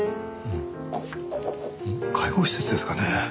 こここ介護施設ですかね？